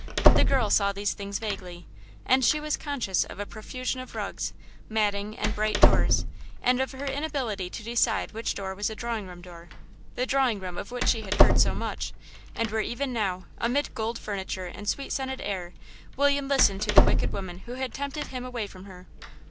The girl saw these things vaguely, and she was conscious of a profusion of rugs, matting, and bright doors, and of her inability to decide which door was the drawing room door the drawing room of which she had heard so much, and where even now, amid gold furniture and sweet scented air, William listened to the wicked woman who had tempted him away from her.